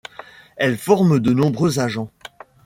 Elle forme de nombreux agents.